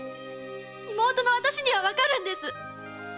妹の私にはわかるんです！